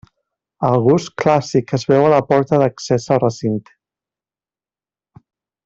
El gust clàssic es veu a la porta d'accés al recinte.